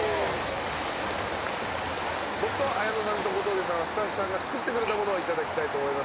僕と彩乃さんと小峠さんはスタッフさんが作ってくれたものを頂きたいと思います。